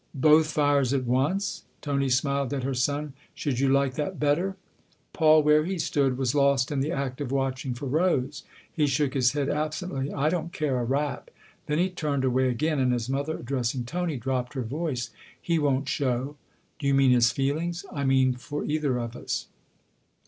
" Both fires at once ?" Tony smiled at her son. " Should you like that better ?" Paul, where he stood, was lost in the act of watching for Rose. He shook his head absently. " I don't care a rap !" Then he turned away again, and his mother, addressing Tony, dropped her voice. " He won't show." " Do you mean his feelings ?"" I mean for either of us."